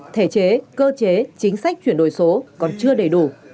thể chế cơ chế chính sách chuyển đổi số còn chưa đầy đủ